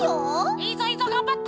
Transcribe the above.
いいぞいいぞがんばって！